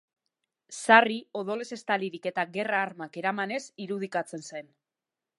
Sarri, odolez estalirik eta gerra armak eramanez irudikatzen zen.